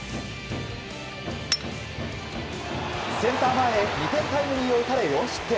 センター前へ２点タイムリーを打たれ４失点。